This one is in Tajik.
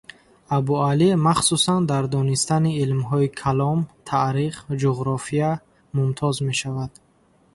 Абуалӣ махсусан, дар донистани илмҳои калом, таърих, ҷуғрофия мумтоз мешавад.